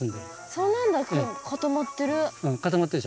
そうなんだ固まってる。